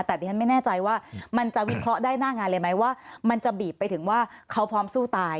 แต่ดิฉันไม่แน่ใจว่ามันจะวิเคราะห์ได้หน้างานเลยไหมว่ามันจะบีบไปถึงว่าเขาพร้อมสู้ตาย